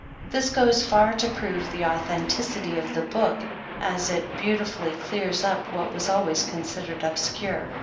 This goes far to prove the authenticity of the book, as it beautifully clears up what was always considered obscure.